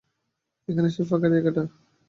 এখানেই সেই ফাঁকা জায়গাটা।